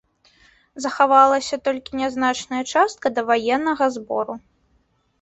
Захавалася толькі нязначная частка даваеннага збору.